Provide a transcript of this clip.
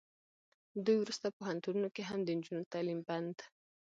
دوی ورسته پوهنتونونو کې هم د نجونو تعلیم بند